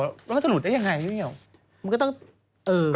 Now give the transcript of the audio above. เราก็จะหลุดได้ยังไง